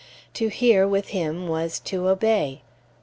To hear, with him, was to obey.